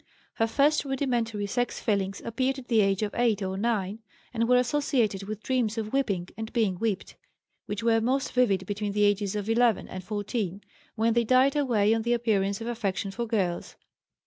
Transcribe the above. Her first rudimentary sex feelings appeared at the age of 8 or 9, and were associated with dreams of whipping and being whipped, which were most vivid between the ages of 11 and 14, when they died away on the appearance of affection for girls.